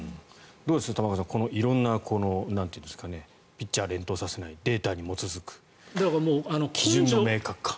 どうです、玉川さん色んなピッチャー連投させないデータに基づく基準の明確化。